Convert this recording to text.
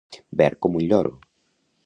Verd com un lloro.